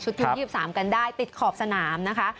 ที่๒๓กันได้ติดขอบสนามนะคะ